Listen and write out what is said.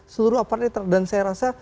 seluruh aparat dan saya rasa